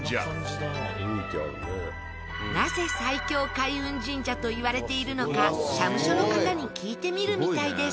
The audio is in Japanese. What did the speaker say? なぜ最強開運神社といわれているのか社務所の方に聞いてみるみたいです。